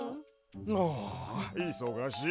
ああいそがしい。